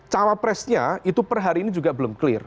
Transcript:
tawa presnya itu per hari ini juga belum clear